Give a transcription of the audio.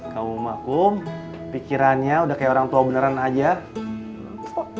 kamu mah kum pikirannya udah kayak orang tua beneran aja ya